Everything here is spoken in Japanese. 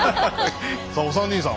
さあお三人さん